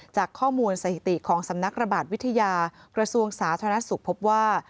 จากข้อมูลสถิติของสำนักระบาดวิทยากระทรวงสาธารณสุขพบว่า